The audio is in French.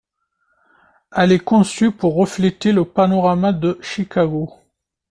Elle est conçue pour refléter le panorama de Chicago.